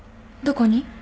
どこに？